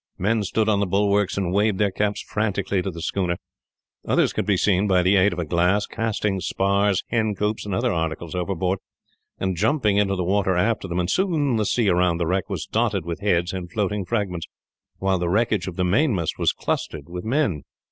Men stood on the bulwarks, and waved their caps frantically to the schooner. Others could be seen, by the aid of a glass, casting spars, hen coops, and other articles overboard, and jumping into the water after them; and soon the sea around the wreck was dotted with heads and floating fragments, while the wreckage of the mainmast was clustered with men.